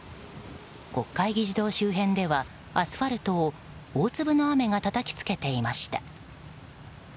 国会議事堂周辺ではアスファルトを大粒の雨がたたきつけていました。